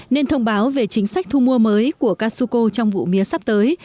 nên thông báo về chính sách thu mua mới của casuco trong vụ mía sắp tới